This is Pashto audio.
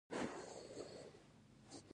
ایا ستاسو دیګ به ډک وي؟